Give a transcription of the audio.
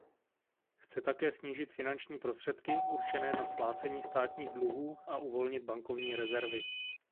Chce také snížit finanční prostředky určené na splácení státních dluhů a uvolnit bankovní rezervy.